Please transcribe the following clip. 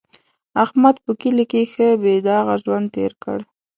احمد په کلي کې ښه بې داغه ژوند تېر کړ.